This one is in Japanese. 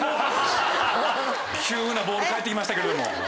急なボール返って来ましたけれども。